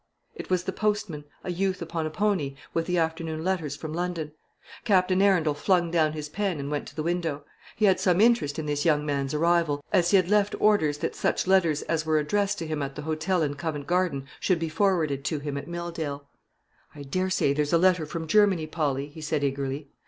It was the postman, a youth upon a pony, with the afternoon letters from London. Captain Arundel flung down his pen and went to the window. He had some interest in this young man's arrival, as he had left orders that such letters as were addressed to him at the hotel in Covent Garden should be forwarded to him at Milldale. "I daresay there's a letter from Germany, Polly," he said eagerly.